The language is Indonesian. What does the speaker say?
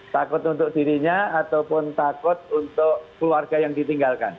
takut untuk dirinya ataupun takut untuk keluarga yang ditinggalkan